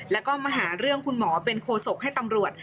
แล้วก็มาหาเรื่องคุณหมอเป็นโคศกให้ตำรวจ